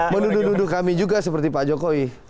menuduh nuduh kami juga seperti pak jokowi